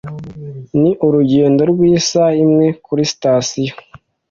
Ni urugendo rw'isaha imwe kuri sitasiyo.